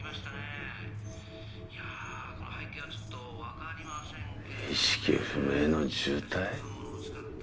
この背景はちょっと分かりませんけれども意識不明の重体？